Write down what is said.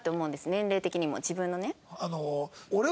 年齢的にも自分のね。